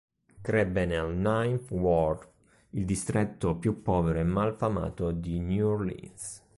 Crebbe nel Ninth Ward, il distretto più povero e malfamato di New Orleans.